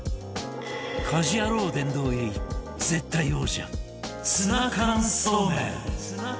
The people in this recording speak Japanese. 『家事ヤロウ！！！』殿堂入り絶対王者ツナ缶そうめん